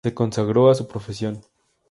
Se consagró a su profesión.